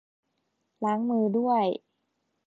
ล้างมือด้วย